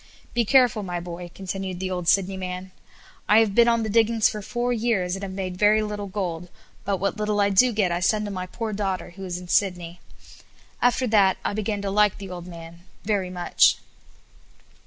Be careful, my boy," continued the old Sydney man; "I have been on the diggings four years, and have made very little gold; but what little I do get I send to my poor daughter, who is in Sydney." After that I began to like the old man very much.